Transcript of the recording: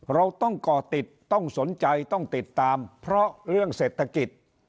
เราต้องก่อติดต้องสนใจต้องติดตามเพราะเรื่องเศรษฐกิจ